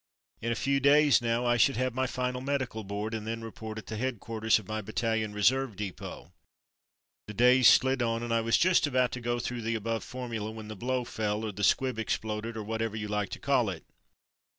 In a few days now I should have my final Medical Board and then report at the head quarters of my Battalion Reserve Depot. The days slid on and I was just about to go through the above formula when the blow fell or the squib exploded — or whatever you like to call it.